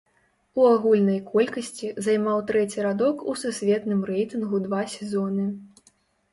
У агульнай колькасці займаў трэці радок у сусветным рэйтынгу два сезоны.